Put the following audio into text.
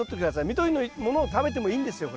緑のものを食べてもいいんですよ